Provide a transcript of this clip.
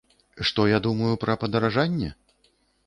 Што я думаю пра падаражанне?